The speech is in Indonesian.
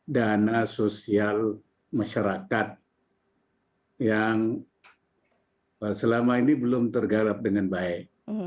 dana sosial masyarakat yang selama ini belum tergarap dengan baik